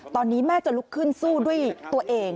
ตอนนี้แม่จะลุกขึ้นสู้ด้วยตัวเอง